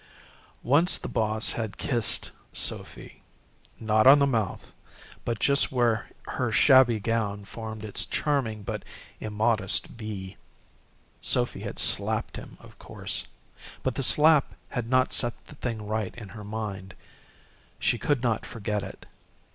Once the boss had kissed Sophy not on the mouth, but just where her shabby gown formed its charming but immodest V. Sophy had slapped him, of course. But the slap had not set the thing right in her mind. She could not forget it.